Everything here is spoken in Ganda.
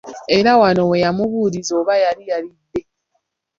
Era wano we yamubuuliza oba yali yalidde.